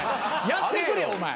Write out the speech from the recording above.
やってくれお前。